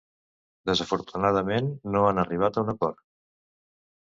Desafortunadament, no han arribat a un acord.